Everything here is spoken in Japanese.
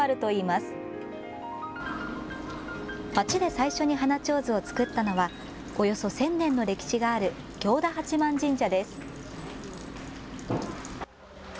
まちで最初に花ちょうずを作ったのはおよそ１０００年の歴史がある行田八幡神社です。